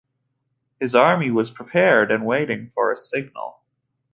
His army was prepared and waiting for a signal.